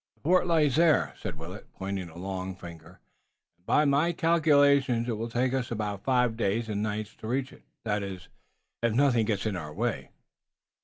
"The fort lies there," said Willet, pointing a long finger, "and by my calculations it will take us about five days and nights to reach it, that is, if nothing gets in our way."